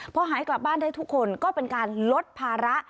พอหายกลับบ้านได้ทุกคนก็เป็นการลดภาระ